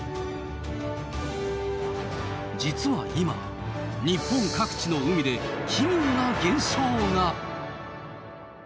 実は今日本各地の海で奇妙な現象が。